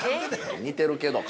◆似てるけど、形。